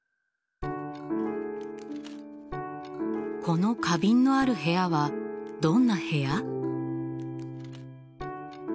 この花瓶のある部屋はどんな部屋？